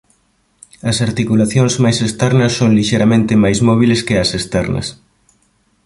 As articulacións máis externas son lixeiramente máis móbiles que as externas.